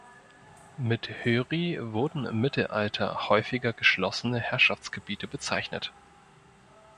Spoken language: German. Mit "Höri" wurden im Mittelalter häufiger geschlossene Herrschaftsgebiete bezeichnet.